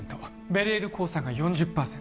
ベレール興産が４０％